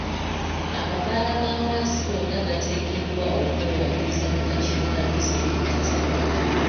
Amabaala ga wansi gonna gateekeddwa okwewandiisa ku kakiiko ka disitulikiti.